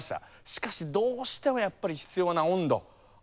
しかしどうしてもやっぱり必要な温度圧力が出せないと。